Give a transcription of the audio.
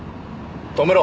止めろ